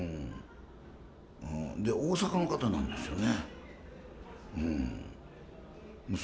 で、大阪の方なんですよね。